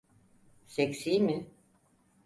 Seksi mi?